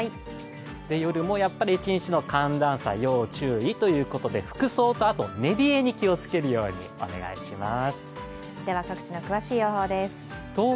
夜も、一日の寒暖差、要注意ということで、服装と、あと寝冷えに気をつけるようにお願いします。